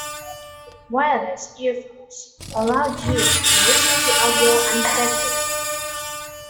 Wireless earphones allow you to listen to audio untethered.